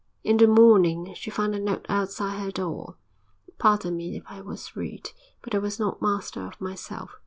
In the morning she found a note outside her door: '_Pardon me if I was rude, but I was not master of myself.